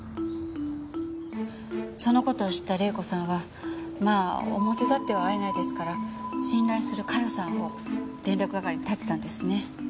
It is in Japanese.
その事を知った玲子さんはまあ表立っては会えないですから信頼する加代さんを連絡係に立てたんですね。